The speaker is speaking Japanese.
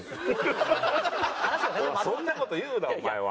そんな事言うなお前は。